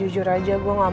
itu yang kalian lihat